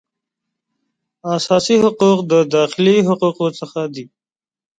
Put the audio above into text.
اساسي حقوق د داخلي حقوقو څخه دي